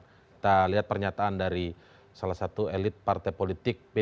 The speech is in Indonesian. kita lihat pernyataan dari salah satu elit partai politik p tiga